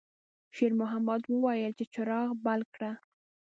شېرمحمد وویل چې څراغ بل کړه.